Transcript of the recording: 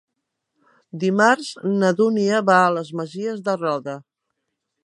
Dimarts na Dúnia va a les Masies de Roda.